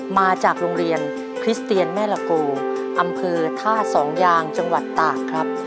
มาจากโรงเรียนคริสเตียนแม่ละโกอำเภอท่าสองยางจังหวัดตากครับ